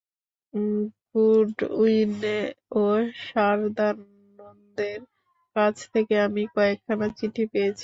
Goodwin ও সারদানন্দের কাছ থেকে আমি কয়েকখানা চিঠি পেয়েছি।